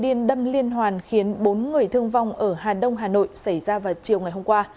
niên đâm liên hoàn khiến bốn người thương vong ở hà đông hà nội xảy ra vào chiều ngày hôm qua